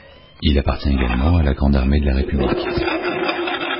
Il appartient également à la grande armée de la république.